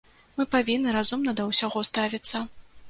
Мы павінны разумна да ўсяго ставіцца.